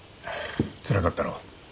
つらかったろう。